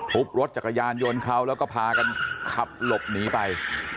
รถจักรยานยนต์เขาแล้วก็พากันขับหลบหนีไป